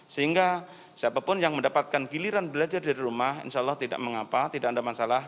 sehingga siapapun yang mendapatkan giliran belajar di rumah insyaallah tidak mengapa tidak ada masalah